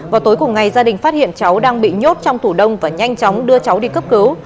vào tối cùng ngày gia đình phát hiện cháu đang bị nhốt trong tủ đông và nhanh chóng đưa cháu đi cấp cứu